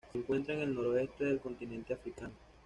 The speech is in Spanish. Se encuentra en el noroeste del continente africano.